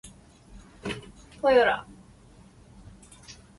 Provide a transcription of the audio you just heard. トヨタ